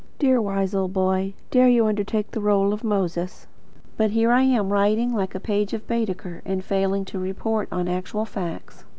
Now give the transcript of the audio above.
Dear wise old Boy, dare you undertake the role of Moses! But here am I writing like a page of Baedeker, and failing to report on actual facts.